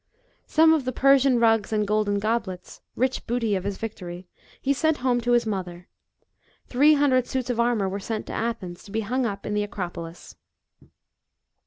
Some of the Persian rugs and golden goblets rich booty of his victory he sent home to his mother ; three hundred suits of armour were sent to Athens to be hung up in the Acropolis.